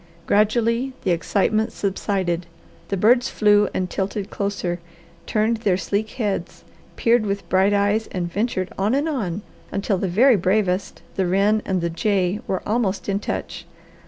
Gradually the excitement subsided, the birds flew and tilted closer, turned their sleek heads, peered with bright eyes, and ventured on and on until the very bravest, the wren and the jay, were almost in touch.